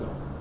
với quốc gia